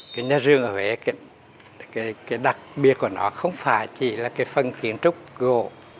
cái nhà rường ở huế cái đặc biệt của nó không phải chỉ là cái phần kiến trúc cổ